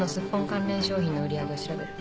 関連商品の売り上げを調べる。